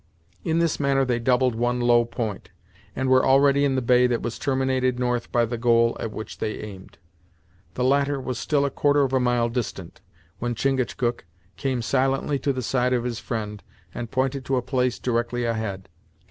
In this manner they doubled one low point, and were already in the bay that was terminated north by the goal at which they aimed. The latter was still a quarter of a mile distant, when Chingachgook came silently to the side of his friend and pointed to a place directly ahead.